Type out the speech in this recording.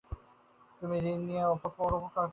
তিনি ঋণ নিয়ে পরোপকার করেছেন।